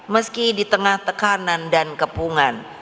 meski di tengah tekanan dan kepungan